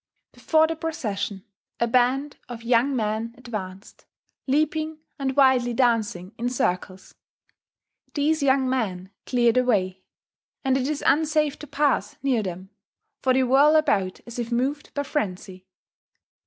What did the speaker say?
Before the procession a band of young men advance, leaping and wildly dancing in circles: these young men clear the way; and it is unsafe to pass near them, for they whirl about as if moved by frenzy